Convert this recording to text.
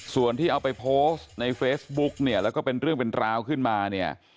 ส่วนที่เอาไปโพสต์ในเฟซบุ๊กเนี่ยแล้วก็เป็นเรื่องเป็นราวขึ้นมาเนี่ย